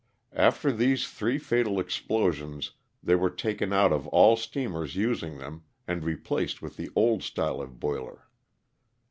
After these three fatal explosions they were taken out of all steamers using them and replaced with the old style of boiler.